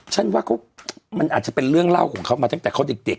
ฉันว่ามันอาจจะเป็นเรื่องเล่าของเขามาตั้งแต่เขาเด็ก